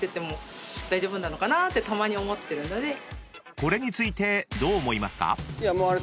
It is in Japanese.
［これについてどう思いますか？］